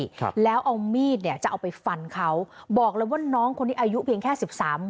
ครับแล้วเอามีดเนี่ยจะเอาไปฟันเขาบอกเลยว่าน้องคนนี้อายุเพียงแค่สิบสาม